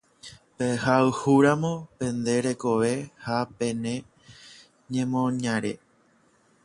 Pehayhúramo pende rekove ha pene ñemoñare.